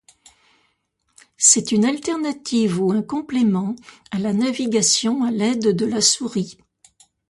C'est une alternative ou un complément à la navigation à l'aide de la souris.